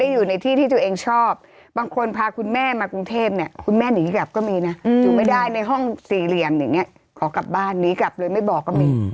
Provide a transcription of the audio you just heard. อยู่ในห้อง๔เหลี่ยมอย่างนี้ขอกลับบ้านหนีกลับเลยไม่บอกก็มี